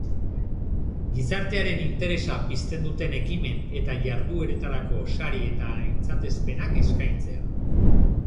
Gizartearen interesa pizten duten ekimen eta jardueretarako sari eta aintzatespenak eskaintzea.